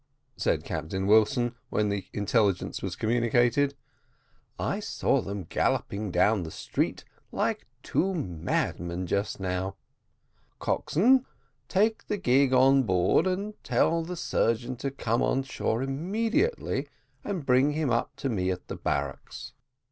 said Captain Wilson, when the intelligence was communicated; "I saw them galloping down the street like two madmen just now. Coxswain, take the gig on board and tell the surgeon to come on shore immediately, and bring him up to me at the barracks."